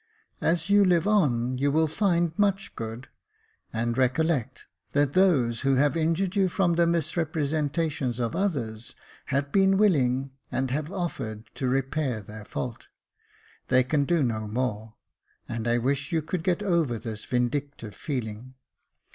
As you live on, you will find much good •, and recollect, that those who have injured you from the misrepresentation of others, have been willing, and have offered, to repair their fault. They can do no more, and I wish you could get over this vindictive feeling.